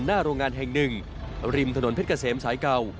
หน้าโรงงานแห่งหนึ่งริมถนนเพชรเกษมสายเก่า